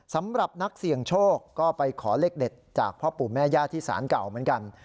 สำหรับนักเสี่ยงโชคก็ไปขอเลขเด็ดจากพ่อปู่แม่ย่าที่สารเก่าเหมือนกัน